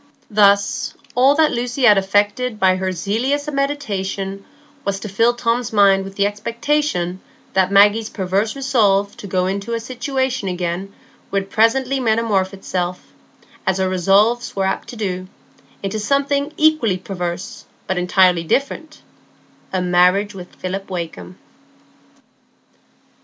Thus, all that Lucy had effected by her zealous mediation was to fill Tom's mind with the expectation that Maggie's perverse resolve to go into a situation again would presently metamorphose itself, as her resolves were apt to do, into something equally perverse, but entirely different,—a marriage with Philip Wakem.